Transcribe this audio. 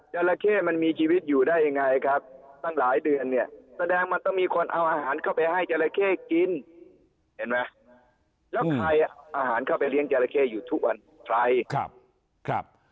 จราเก้ยเพิ่มเมื่อกันตัวเวลาจำได้ไหมครับ